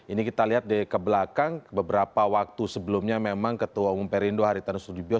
ini kita lihat di kebelakang beberapa waktu sebelumnya memang ketua umum perindu haritanusudibio